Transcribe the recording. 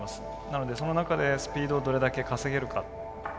なのでその中でスピードをどれだけ稼げるか。